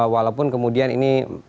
walaupun kemudian ini